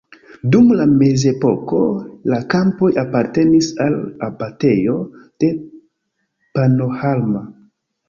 Dum la mezepoko la kampoj apartenis al abatejo de Pannonhalma.